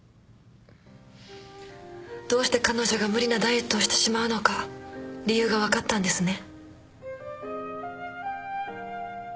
どうして彼女が無理なダイエットをしてしまうのか理由が分かったんですね。